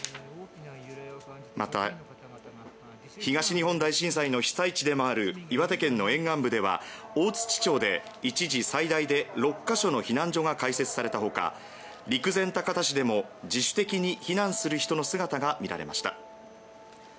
また、東日本大震災の被災地でもある岩手県の沿岸部では大槌町で一時最大で６か所の避難所が開設されたほか陸前高田市でも自主的に避難する人の姿が見られました。